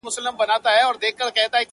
ستا څخه چي ياره روانـــــــــــېــږمه-